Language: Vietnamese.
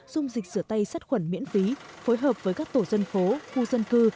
dùng dịch sửa tay sắt khuẩn miễn phí phối hợp với các tổ dân phố khu dân cư